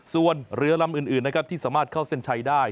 ส่วนเรือลำอื่นนะครับที่สามารถเข้าเส้นชัยได้